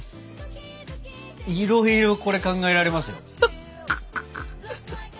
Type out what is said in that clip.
いろいろこれ考えられますよ。